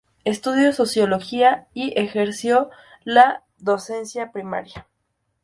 Estudió Sociología, y ejerció la docencia primaria.